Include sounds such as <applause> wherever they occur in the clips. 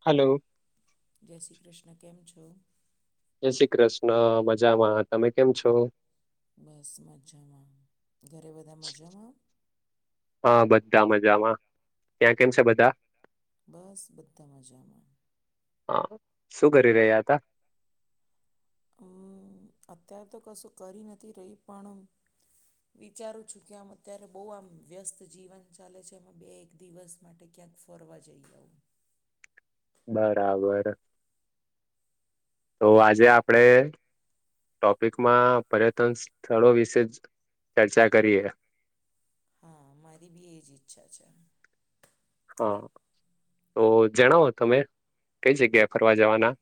Hello જય શ્રી કૃષ્ણ કેમ છો જય શ્રી કૃષ્ણ મજામાં તમે કેમ છો બસ મજામાં ઘરે બધા મજામાં આ હા બધા મજામાં ત્યાં કેમ છે બધા બસ બધામાંજામાં હા શું કરી રહ્યા હતા હમ અત્ય્યારે તો કશું કરી નથી રહી પણ વિચારું છું કે આમ અત્યારે બહ આમ વ્યસ્ત જીવન ચાલે છે એમાં બે એક દિવસ માટે ક્યાંક ફરવા જઈ આવઉું બરાબર તો આજે આપડે ટોપિકમાં પર્યટન સ્થળો વિશે જ ચર્ચા કરીએ હા મારી બી એજ ઈચ્છા છે હા તો જણાવો તમે કઈ જગ્યા ફરવા જવાના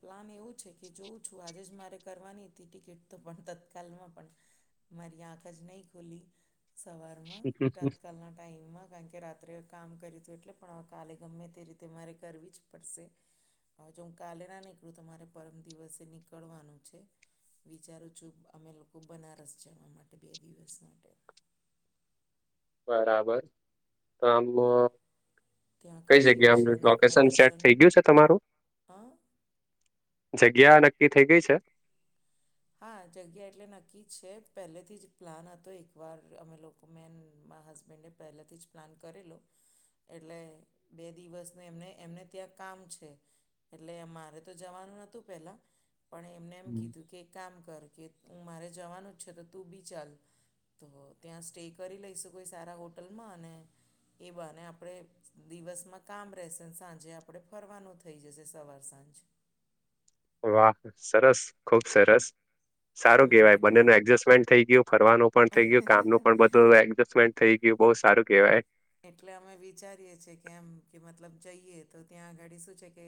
પ્લાન એવું છે કે જોઉં છું આજે જ મારે કરવાની હતી ટિકિટ તો પણ તત્કાલમાં પણ મારી આંખ જ નહી ખુલી સવારમાં તત્કાલના ટાઈમમાં કારણ કે રાત્રે કામ કરી હતું એટલે પણ કાલે ગમે તે રીતે મારે કરવી જ પડશે હવે જો હું કાલે ના નીકળું તો તમારે પરમ દિવસે નીકળવાનું છે વિચારું છું અમે લોકો બનારસ જવા માટે બે દિવસ માટે બરાબર તો આમ કઈ જગ્યા એમ લોકેશન સેડ થઈ ગયું છે તમારું જગ્યા નક્કી થઇ ગઈ છે હા જગ્યા એટલે નક્કી જ છે પહેલેથી જ પ્લાન હતો એકવાર અમે લોકો મેં મા હસબેન્ડે પહેલાથી જ પ્લાન કરેલો એટલે બે દિવસને એમને એમને ત્યાં કામ છે એટલે મારે તો જવાનું નતું પેલા પણ એમને એમ કીધું કે કામ કર કે હું મારે જવાનું જ છે તો તું બી ચાલ તો ત્યાં સ્ટે કરી લઈશું કોઈ સારા હોટલમાં અને એ બને આપણે દિવસમાં કામ રહેશેને સાંજે આપણે ફરવાનું થઈ જશે સવાર સાંજ વાહ સરસ ખુબ સરસ સારું કેવાય બંને ન એડજસ્ટમેન્ટ થઈ ગયું ફરવાનું પણ થઇ ગયું કામ ન પણ બધું એડજમેન્ટ થઇ ગયું બહુ સારું કેહેવાય એટલે અમે વિચારીએ છીએ કે એમ કે મતલબ જઈએ તો ત્યાં આ ઘડી શું છે કે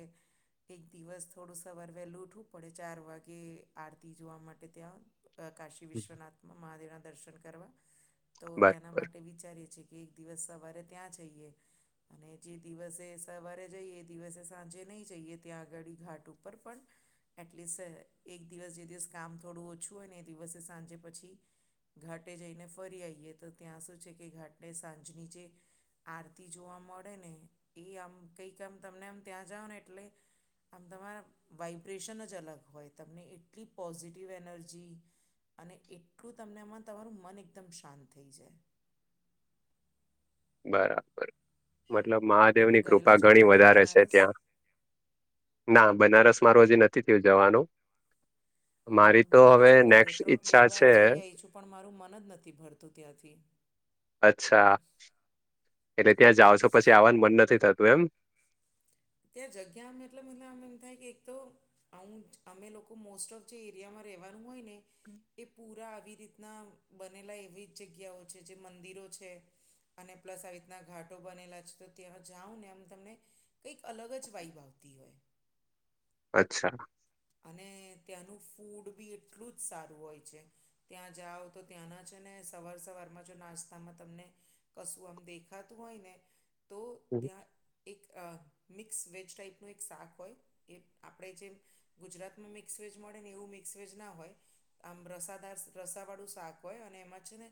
એક દિવસ થોડું સવાર વહેલું ઉઠવું પડે ચાર વાગે આરતી જોવા માટે ત્યાં આકાશ વિશ્વના મહાદેવ ના દર્શન કરવા તો એના બરાબર માટે વિચારીએ છીએ કે એક દિવસ મારે ત્યાં જઈએ અને જે દિવસે સવારે જઈએ એ દિવસે સાંજે નહીં જઈએ ત્યાં આગળ ઘાટ ઉપર પણ એટલીસ્ટ એક દિવસ જે દિવસ કામ થોડું ઓછું અનેને એ દિવસે સાંજે પછી ઘાટે જઈને ફરી આવીએ તો ત્યાં શું છે કે ઘાટને સાંજની જે આરતી જોવા મળે ને એ આમ કંઈક આમ તમને આમ ત્યાં જાઓ ને એટલે આમ તમારા વાઈબ્રેશન જ અલગ હોય તમને એટલી પોઝિટિવ એનર્જી અને એટલું તમને આમાં તમારું મન એકદમ શાંત થઈ જાય બરાબર મતલબ મહાદેવ ની કૃપા ઘણી વધારે છે ત્યાં ના બનારસ મારું હજી નથી થું જવાનું મારી તો હવે નેક્સ્ટ ઈચ્છા છે પણ મારું મન જ નથી ભરતું ત્યાંથી અચ્છા એટલે ત્યાં જા છો પછી આવવાનું મન નથી થતું એમ ત્યાં જગ્યામાં એટલે મતલબ આમ એમ થાય કે એક તો આું અમે લોકો મોસ્ટ ઓફ જે એરિયામાં રહેવાનું હોય ને એ પૂરા આવી રીતના બનેલા એવી જ જગ્યાઓ છે જે મંદિરો છે અને પ્લસ આવી રીતના ઘાટો બનેલા છે તો ત્યાં જાઉં ને એમ તમને કંઈક અલગ જ વાઈબ આવતી હોય અચ્છા અને ત્યાંનું ફૂડ બી એટલું જ સારું હોય છે ત્યાં જાઓ તો ત્યાંના છે ને સવાર સવારમાં જો નાસ્તામાં તમને કશું આમ દેખાતું હોય ને તો હમ ત્યાં એક મિક્સ વેજ ટાાઈપનું એક શાક હોય એ આપણે જે ગુજરાતમાં મિક્સવેજ મળે ને એવું મિક્સવેેજ ના હોય આમ રસાદાર રસાવાળું શાક હોય અને એમાં છે ને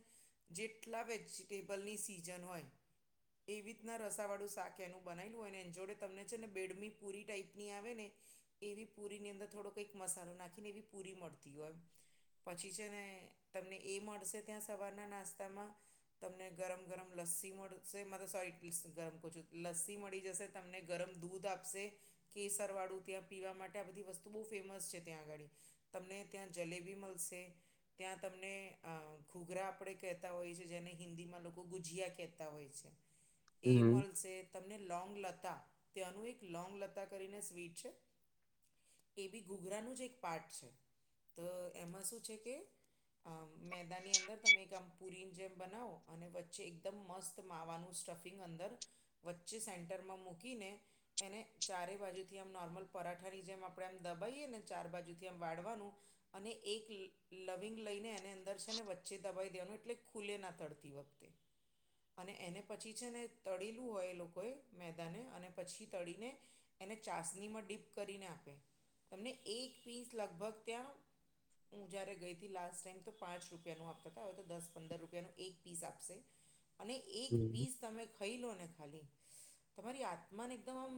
જેટલા વેજિટેબલની સીઝન હોય એવી રીતના રસાવાળું શાક એનું બનાયલું હોય ને એની જોડે તમને છે ને બેડમી પૂરી ટાઈપની આવે ને એવી પૂરી ની અંદર થોડો કઈક મસાલો નાખીને એવી પૂરી મળતી હોય પછી છે ને તમને એ મળશે ત્યાં સવારના નાસ્તામાં તમને ગરમ ગરમ લસ્સી મળશે મ તો સોટ ગરમ કરું છું લસ્સી મળી જશે તમને ગરમ દૂધ આપશે કેસર વાળું ત્યાં પીવા માટે આ બધી વસ્તુ બહુ ફેમસ છે ત્યાં આગાડી તમને ત્યાં જલેબી મળશે ત્યાં તમને ઘૂઘરા આપણે કહેતા હોય છેએ જેને હિન્દીમાં લોકો ગુજીિયા કહેતા હોય છે <inaudible> એ મળશે તમને લોંગ લતા તેનું એક લોંગ લતા કરીને સ્વીટ છે એ બી ગુગરાનું જ એક પાર્ટ છે તો એમાં શું છે કે આ મેદાની અંદર તમે એક આમ પુરી જેમ બનાવો અને વચ્ચે એકદમ મસ્ત માવાનું સ્ટફિંગ અંદર વચ્ચે સેન્ટરમાં મૂકીને એને ચારેય બાજુથી આમ નોર્મલ પરાઠા અઠાની જેમ આપણે આમ દબાવીએ ને ચાર બાજુથી આમ વાળવાનું અને એક લવિંગ લઈને એને અંદર છે ને વચ્ચે દબાવી દેવાનું એટલે ખુલે ના તડતી વખતે અને એને પછી છે ને તળેલું હોય એ લોકોએ મેદાને અને પછી તળીને એને ચાસણીમાં ડીપ કરીને આપે તમને એક પીસ લગભગ ત્યાં હું જ્યારે ગઈ હતી લાસ્ટ ટાાઈમ તો પાંચ રૂપિયાનું આપતા હતા હવે તો દસ પંદર રૂપિયાનું એક પીસ આપશે <inaudible> અને એક હમ. પીસ તમે ખઈ લો ને ખાલી તમારી આત્માને એકદમ આમ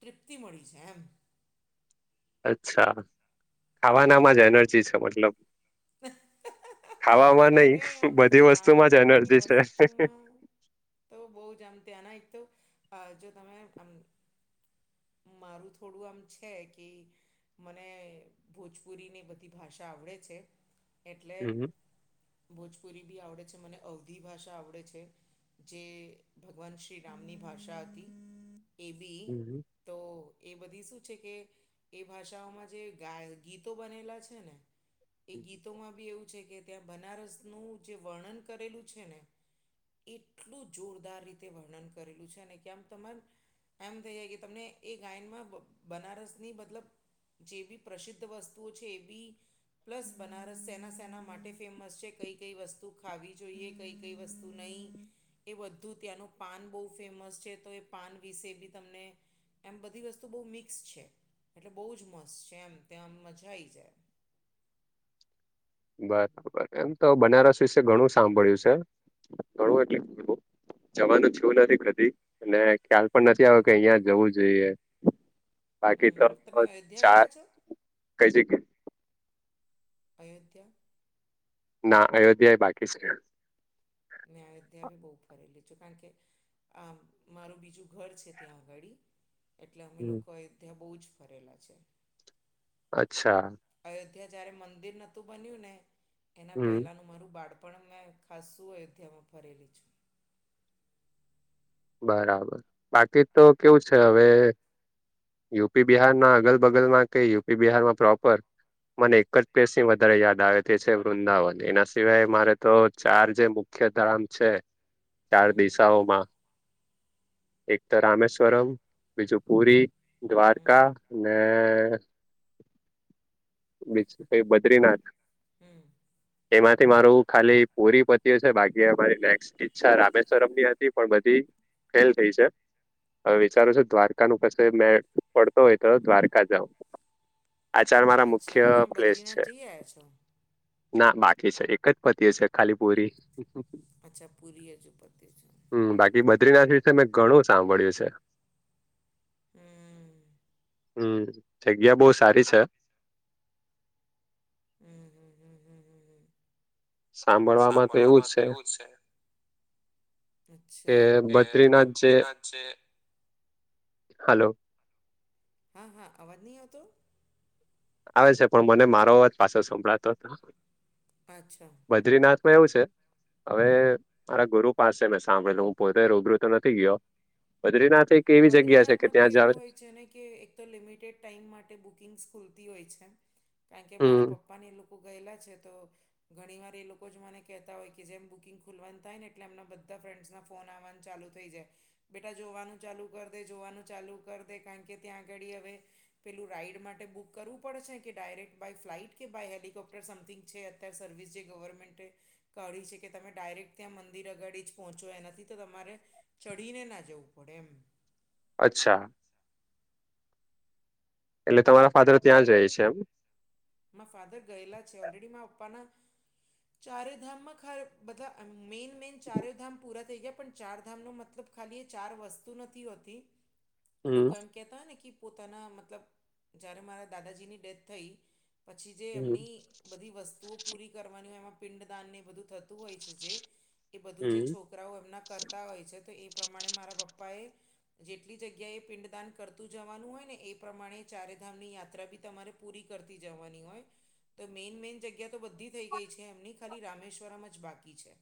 તૃપ્તિ મળી છે એમ અચ્છા ખાવાનામાં જ એનર્જી છે મતલબ હ ખાવામાં <inaudible> નહી અરે આમ બધી વસ્તુમાં જ ખાવા-પીવાની એનર્જી છે વસ્તુમાં તો બહુ જ આમ ત્યાંના એક તો જો તમે આમ મારું થોડું આમ છે કી મને ભોજપુરીને એ બધી ભાષા આવડે છે. એટલે હમ ભોજપુરી બી આવડે છે મને અવધી ભાષા આવડે છે. જે ભગવાન શ્રી રામની ભાષા હતી એ બી હમ તો એ બધી શું છે કે એ ભાષાઓમાં જે ગા ગીતો બનેલા છે ને એ ગીતોમાં બી એવું છે કે ત્યાં બનારસનું જે વર્ણન કરેલું છે ને એટલું જોરદાર રીતે વર્ણન કરેલું છે અને કે આમ તમાર એમ થઈ જાય કે તમને એ ગાયનમાં બ બનારસની મતલબ જે બી પ્રસિદ્ધ વસ્તુઓ છે એ બી પ્લસ બનારસ સેના શેના માટે ફેમસ છે? કઈ-કઈ વસ્તુ ખાવી જોઈએ કઈ-કઈ વસ્તુ નઈ એ બધું ત્યાંનું પાન બઉ ફેમસ છે તો એ પાન વિશે બી તમને એમ બધી વસ્તુ બહુ મિક્સ છે એટલે બહુ જ મસ્ત છે એમ ત્યાં આ મજા આઈ જાય. બરાબર, એમ તો બનારસ વિશે ઘણું સાંભળ્યું શે ઘણું એટલે જવાનું થવું નથી કદી અને ખ્યાલ પણ નથી આયો કે અહિયાં જવું જોઈએ. બાકી તો ચાર કઈ જગ્ અયોધ્યા. ના, અયોધ્યા એય બાકી છે. મેં અયોધ્યા બી બહુ ફરેલી છું કારણ કે આમ મારું બીજું ઘર છે ત્યાં આગાડી. એટલે અમે હમ, લોકો અયોધ્યા બઉ જ ફરેલા છે. અચ્છા. અયોધ્યા જયારે મંદિર નોતું બન્યુંને એના હમ પહેલાનું મારું બાળપણ મેં ખાસ શું અયોધ્યામાં ફરેલી છું. બરાબર, બાકી તો કેવું છે હવે યુપી બિહારના અગલ બગલમાં કે યુપી બિહારમાં પ્રોપર? મને એક જ સ્પેસની વધારે યાદ આવે તે છે વૃંદાવન, એના સિવાય મારે તો ચાર જે મુ ખ્ય ધામ છે ચાર દિશાઓમાં એક તો રામેશ્વરમ, બીજું પુરી, દ્વારકા ને. બીજુ કયુ બદ્રીનાથ. હમ્મ. તેમાંથી મારું ખાલી પૂરી પત્યું છે બાકી મારી નેક્સ્ટ ઈચ્છા રામેશ્વરમની હ તી પણ બધી ફેલ થઈ છે. હવે વિચારું છું દ્વારકાનું કશે મેળ પડતો હોય તો દ્વારકા જાઉં. આ ચાર મારા મુ છા તો તમે બદ્રીનાથ જઈ આયા છો? ના બાકી છે એક જ પત્યું છે ખાલી પુરી. અચ્છા પૂરી હજુ પત્યું છે. હમ્મ, બાકી બદ્રીનાથ વિશે મેં ઘણું સાંભળ્યું છે. હમ્મ. હમ્, મ જગ્યા બહુ સારી છે. અમ હમ્મ હમ્મ હમ્મ હમ્મ. સાંભળવામાં તો એવું જ છે. અચ્છા, એ બદ્રીનાથ જે હાલો. હા હા અવાજ નઈ આવતો? આવે છે પણ મને મારો જ પાછો સંભળાતો હતો વ દ્રીનાથમાં એવું છે હવે મારા ગુરુ પાસે મેં સાંભળેલું હું પોતે રૂબરૂ તો નથી ગયો. બદ્રીનાથ એક એવી જગ્યા છે કે બદ્રીનાથમાં તો ત્યાં જાવ એવું હોય છેને, કે તો લિમિટેડ ટાઈમ માટે બુકિંગ્સ ખુલતી હોય છે, કારણ કે મારા હમ પપ્પાને લોકો. ગયેલા છે, તો ઘણી વાર એ લોકો જ મને કહેતા હોય, કે જેમ બુકિંગ ખુલવાનું થાય ને એટલે એમના બધા ફ્રેન્ડ્સના ફોન આવવાનું ચાલુ થઈ જાય બેટા જોવાનુ. ચાલુ કરી દે જોવાનું ચાલુ કરી દે કારણ કે ત્યાં આગળ હવે. પેલું રાઈડ માટે બુક કરવું પડે છે કે ડાયરેક્ટ બાય ફ્લાઇટ કે બાય હેલિકોપ્ટર સમથિંગ છે. યા સર્વિસ જે ગવર્મેન્ટ ક છે કે તમે ડાયરેક્ટ ત્યાં મંદિર આગળ જ પહોંચો એના તો તમારે ચડીને ના જવું પડે એમ અચ્છા એટલે તમારા ફાધર ત્યાં જાય છે, એમ મા ફાધર ગયેલા છે, ઓલરેડી મા પપ્પાના ચારેધામમાં ખરા બધલા મેઈન મેઈન ચારેયધામ પૂરા થઈ ગયા પણ ચારધામનો મતલબ ખાલી એ ચાર વસ્તુ નથી હોતી. હમ લોકો એમ કહેતા હોય ને કે પોતાના મતલબ જ્યારે મારા દાદાજીની ડેથ થઈ. પછી જે હમ એમની બધી વસ્તુ પૂરી કરવાની હોય એમાં પિંડ દાન ને બધું થતું હોય છે જે એ બધું જે છો. હમ છોકરાઓ એમના કરતા હોય છે, તો એ પ્રમાણે મારા પપ્પા એ જેટલી જગ્યા એ પિંડદાન કરતું જવાનું હોય, ને એ પ્રમાણે ચારેધામ ની યાત્રા બી તમારે પૂરી કરતી જવાની હોય. તો મેઈન મેઈન જગ્યા તો બધી થઈ ગઈ છે, એમની ખાલી રામેશ્વરમ જ બાકી છે.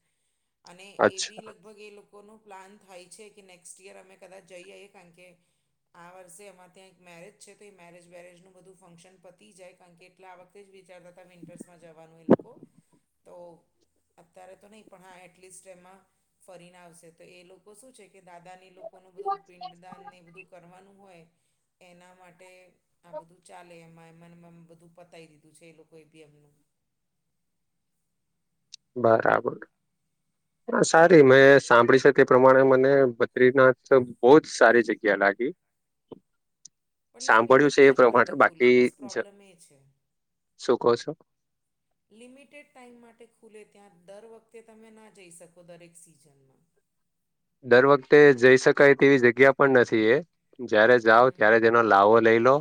અને એ બી અચ્છા લગભગ એ લોકો કોનું પ્લાન થાય છે, કે નેક્સ્ટ યર અમે કદાચ જઈ આવીઈએ કારણ કે આ વર્ષે અમારે ત્યાં એક મેરેજ છે, તો એ મેરેજ વરેજ નું બધું ફંક્શન પતી જાય. કારણ કે એટલે આ વખતે જ વિચારતા હતા વિન્ટર્સમાં જવાનું એ લોકો તો અત્યારે તો નહીં પણ હા એટલીસ્ટ એમાં ફરીને આવશે તો એ લોકો શું છે, કે દાદાને લોકોનું બધું પિંડદાનને બધુ કરવાનું હોય, એના માટે આ બધું ચાલે એમાં એમાં એમાંમ બધું પતાવી દીધું છે, એ લોકોએ ભી એમનુ બરાબર હ સારી મેં સાંભળી છે, તે પ્રમાણે મને બદ્રીનાથ બહ જ સારી જગ્યા લાગી. <inaudible> સાંભળ્યું છે, એ પ્રમાણે બાકી શું કહો છો. <inaudible> લિમિટેડ ટાઈમ માટે ખુલે ત્યાં દર વખતે તમે ના જઈ શકો દરેક સિઝનમા દર વખતે જઈ શકાય તેવી જગ્યા પણ નથી એ જયારે જાાવ ત્યારે, તે એનો લાવો લઈ લો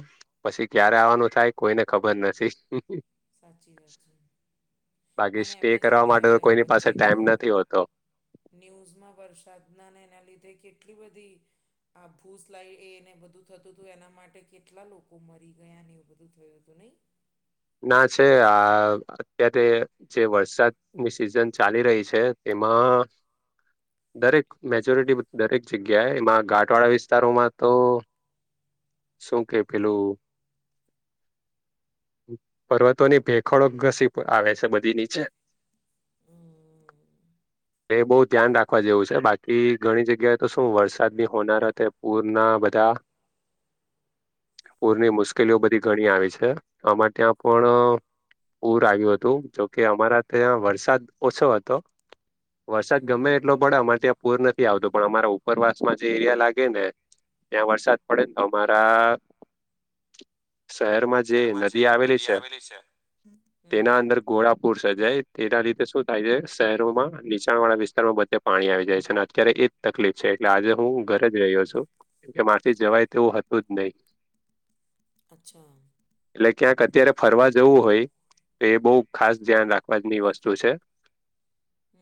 પછી ક્યારે આવવાનું થાય કોઈને ખબર નથી. સાચી સાચી બાકી અને સ્ટે એમે કરવા જોને માટે તો કોઈની પાસે વચ્ચે ટાઈમ કેવુ નથી હોતો ન્યૂઝમાં વરસાદના એના લીધે કેટલી બધી આ ભૂ સ્ લઈ એને બધું થતું હતું એના માટે કેટલા લોકો મરી ગયા ને એવું બધું થયુ હતુ નહી. ના છે, આ અત્યારે જે વરસાદની સિઝન ચાલી રહી છે, તેમા દરેક મેજોરિટી દરેક જગ્યાએ, એમાં ઘાટ વાળા વિસ્તારોમાં તો શું કે પેલુ પર્વતોની ભેખડો ઘસી આવે છે બધી નીચે હમ્મ <inaudible> એ બહુ ધ્યાન રાખવા જેવું છે બાકી ઘણી જગ્યાએ તો શું વરસાદ બની હોનાર તે પૂરના બધા પૂરની મુશ્કેલીઓ બધી ઘણી આવી છે આમાં ત્યાં પણ ર આવ્યું હતું જોકે અમારા ત્યાં વરસાદ ઓછો હતો વરસાદ ગમે એટલો ડે અમારે ત્યાં પૂર નથી આવતો પણ અમારા ઉપરવાસ માં જે એરિયા લાગે ને ત્યાં વરસાદ પડે ને તો અમારા ઘરમાં જે નદી આવેલી છે. તેના અંદર ઘોડાપુર સર્જાય તેના લીધે શું થાય છે શહેરોમાં નીચાણ વાળા વિસ્તારમાં બધે પાણી આવી જાય છે ને અત્યારે એજ તકલીફ છે એટલે આજે હું ઘરે જ રહ્યો છું કે માર થી જવાય તેવું હતું જ નહી અચ્છા લે કે અત્યારે ફરવા જેવું હોય એ બહ ખાસ ધ્યાન રાખવાની વસ્તુ છે.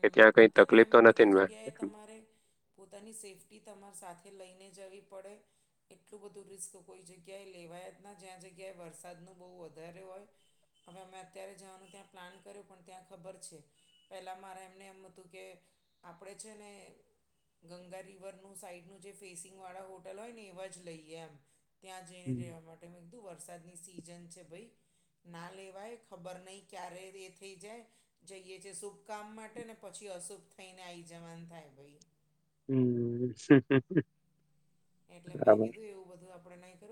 કે ત્યાં કઈ અત્ય તો તકલીફ અમે બધી નથી ને જગ્યાએ તમારે પોતાની સેફ્ટી તમાર સાથે લઈને જવી પડે એટલું બધું રિસ્ક કોઈ જગ્યાએ લેવાયા જ ના જ્યાં જગ્યાએ વરસાદનું બહુ વધારે હોય હવે અમે અત્યારે જવાનું ત્યાં પ્લાન કર્યું પણ ત્યાં ખબર છે પેલા અરે એમને એમ હતું કે આપણે છે ને ગંગા રિવરનું સાઈડનું જે ફેસિંગ વાળા હોટલ હોય ને એવા જ લઈએ એમ ત્યાં જઈને હમ રહેવા માટે મેં કીધું વરસાદની સિઝન છે ભાઈ ના લેવાય ખબર નહીં ક્યારે એ થઈ જાય જઈએ જશુ કામ માટે ને પછી અશુભ થઈને આવી જવાનું થાય ભાઈ <unintelligible> એટલે મેં બરાબર કીધું એવું બધું આપડે નહીં કરુ